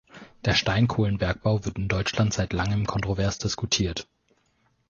Der Steinkohlenbergbau wird in Deutschland seit langem kontrovers diskutiert.